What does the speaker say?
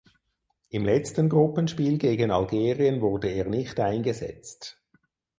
Im letzten Gruppenspiel gegen Algerien wurde er nicht eingesetzt.